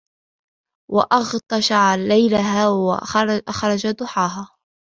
وَأَغطَشَ لَيلَها وَأَخرَجَ ضُحاها